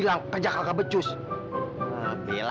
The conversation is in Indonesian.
lo juga gak perlu cari